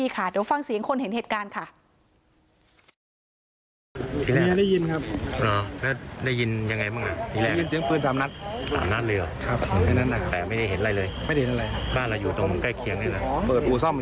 สามนัทหรือ